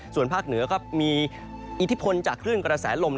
ส่วนภาคเหนือก็มีอิทธิพลจากคลื่นกระแสลม